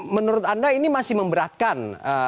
menurut anda ini masih memberatkan